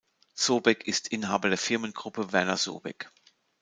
Sobek ist Inhaber der Firmengruppe Werner Sobek.